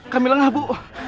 kami lengah bu